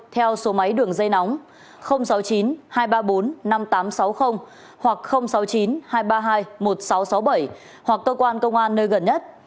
theo số máy đường dây nóng sáu mươi chín hai trăm ba mươi bốn năm nghìn tám trăm sáu mươi hoặc sáu mươi chín hai trăm ba mươi hai một nghìn sáu trăm sáu mươi bảy hoặc cơ quan công an nơi gần nhất